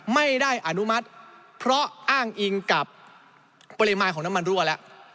ไม่ได้อนุมัติเพราะอ้างอิงกับปริมาณของน้ำมันรั่วแล้ว